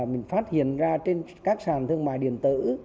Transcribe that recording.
mình phát hiện ra trên các sàn thương mại điện tử